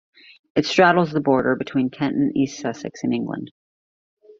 It straddles the border between Kent and East Sussex, in England.